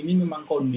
ini masih cukup tinggi